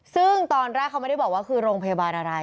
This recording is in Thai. ซึ่งตอนแรกเขาไม่ได้บอกว่าคือโรงพยาบาลอะไร